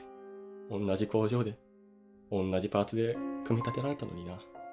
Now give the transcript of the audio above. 同じ工場で同じパーツで組み立てられたのにな。